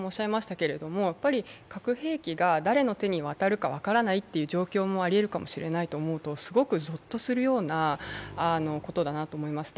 核兵器国ですよね、やはり核兵器が誰の手に渡るかわからないという状況もありえるかと思うとすごく、ぞっとするようなことだなと思います。